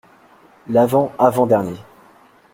L’avant-avant-dernier.